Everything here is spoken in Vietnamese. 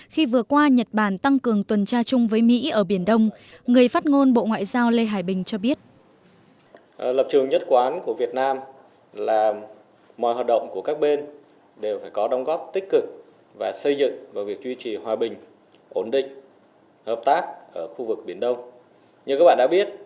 khi vừa qua nhật bản tăng cường tuần tra chung với mỹ ở biển đông người phát ngôn bộ ngoại giao lê hải bình cho biết